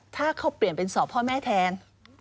ถ้าเขาเปลี่ยนเป็นสอบพ่อแม่แทน